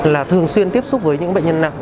là thường xuyên tiếp xúc với những bệnh nhân nặng